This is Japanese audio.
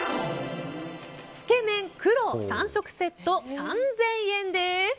つけ麺ＫＵＲＯ、３食セット３０００円です。